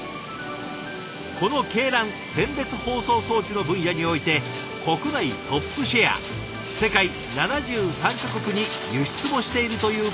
この「鶏卵・選別包装装置」の分野において国内トップシェア世界７３か国に輸出もしているというこちらの会社。